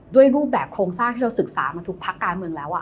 รูปแบบโครงสร้างที่เราศึกษามาทุกพักการเมืองแล้ว